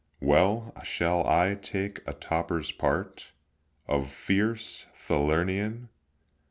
Well, shall I take a toper's part Of fierce Falernian?